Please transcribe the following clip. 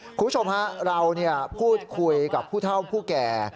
คุณผู้ชมฮะเราพูดคุยกับผู้เท่าผู้แก่